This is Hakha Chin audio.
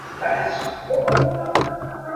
Nu nih pakuak an zuk tawn ko.